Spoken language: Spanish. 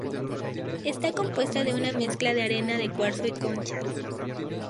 Está compuesta de una mezcla de arena de cuarzo y conchas.